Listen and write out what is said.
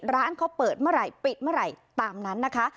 ร้านเขาเปิดเมื่อไหร่ปิดเมื่อไหร่ตามนั้นนะคะ